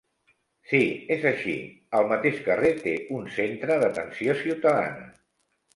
Si és així, al mateix carrer té un centre d'atenció ciutadana.